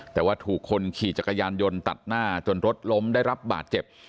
แต่ว่าถูกคนขี่จักรยานยนต์ตัดหน้าจนรถล้มได้รับบาดเจ็บ